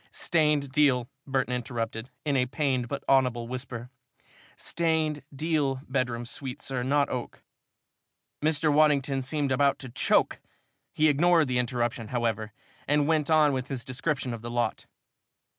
"Stained deal," Burton interrupted, in a pained but audible whisper. "Stained deal bedroom suite, sir not oak." Mr. Waddington seemed about to choke. He ignored the interruption, however, and went on with his description of the lot.